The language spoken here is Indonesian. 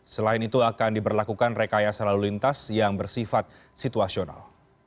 selain itu akan diberlakukan rekayasa lalu lintas yang bersifat situasional